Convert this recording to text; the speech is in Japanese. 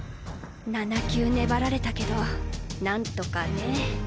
７球粘られたけど何とかね。